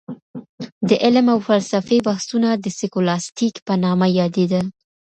د علم او فلسفې بحثونه د سکولاستيک په نامه يادېدل.